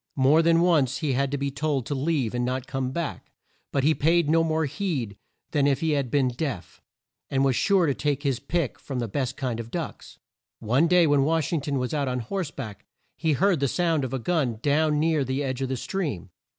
More than once he had been told to leave and not come back, but he paid no more heed than if he had been deaf, and was sure to take his pick from the best kind of ducks. One day when Wash ing ton was out on horse back he heard the sound of a gun down near the edge of the stream.